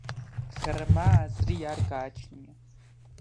ღრმა აზრი არ გააჩნია.